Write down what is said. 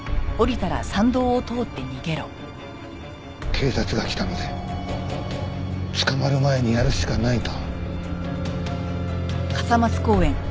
警察が来たので捕まる前にやるしかないと。